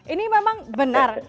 ini memang benar